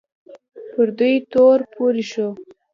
پر دوی تور پورې شو